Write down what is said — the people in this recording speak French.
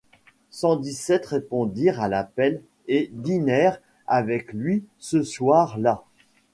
Cent dix sept répondirent à l'appel et dînèrent avec lui ce soir-là.